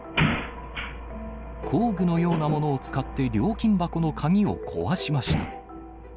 工具のようなものを使って料金箱の鍵を壊しました。